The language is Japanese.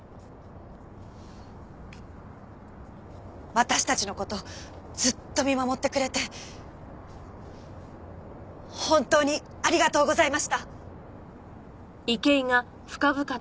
私たちの事ずっと見守ってくれて本当にありがとうございました。